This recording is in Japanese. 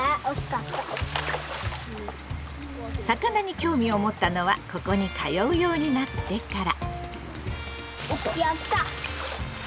魚に興味を持ったのはここに通うようになってから。